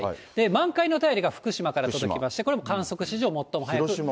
満開の便りが福島から届きまして、これも観測史上最も早い。